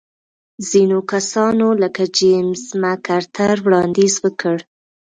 ځینو کسانو لکه جېمز مک ارتر وړاندیز وکړ.